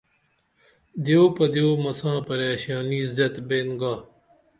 دیو پہ دیو مساں پریشانی زیت بین گا